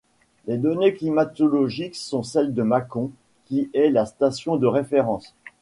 Les données climatologiques sont celles de Mâcon qui est la station de référence.